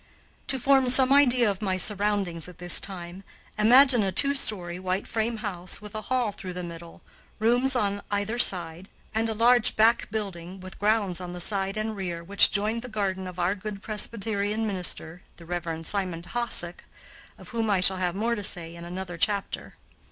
To form some idea of my surroundings at this time, imagine a two story white frame house with a hall through the middle, rooms on either side, and a large back building with grounds on the side and rear, which joined the garden of our good Presbyterian minister, the Rev. Simon Hosack, of whom I shall have more to say in another chapter.